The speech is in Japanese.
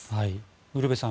ウルヴェさん